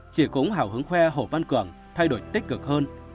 chị cũng hào hứng khoe hồ văn cường thay đổi tích cực hơn